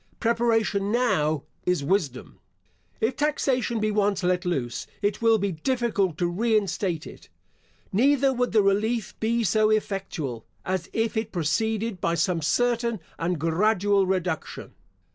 Preparation now is wisdom. If taxation be once let loose, it will be difficult to re instate it; neither would the relief be so effectual, as if it proceeded by some certain and gradual reduction.